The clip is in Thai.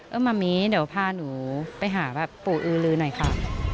มะมี่เดี๋ยวพาหนูไปหาแบบปู่อือลือหน่อยค่ะ